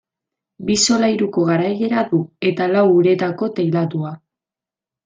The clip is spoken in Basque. Bi solairuko garaiera du eta lau uretako teilatua.